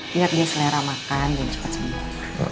biar dia selera makan dan cepat sembuh